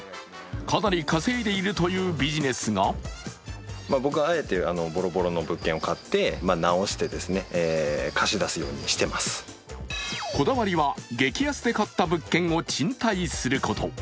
かなり稼いでいるというビジネスがこだわりは激安で買った物件を賃貸すること。